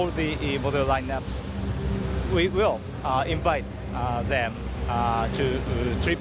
ในอัลโมริจันทร์ประเภทเซียวที่ตอนนี้